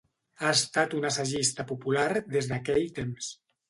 Ha estat un assagista popular des d'aquell temps.